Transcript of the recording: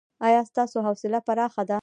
ایا ستاسو حوصله پراخه ده؟